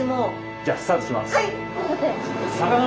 じゃあスタートします。